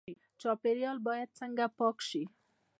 چاپیریال باید څنګه پاک شي؟